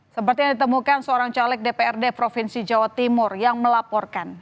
seperti yang ditemukan seorang caleg dprd provinsi jawa timur yang melaporkan